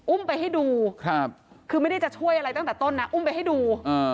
ไปให้ดูคือไม่ได้จะช่วยอะไรตั้งแต่ต้นนะอุ้มไปให้ดู